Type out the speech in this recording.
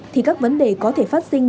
thì các vấn đề có thể phát sinh